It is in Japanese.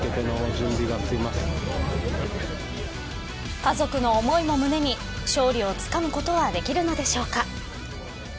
家族の思いも胸に勝利をつかむことはできるのでしょうか。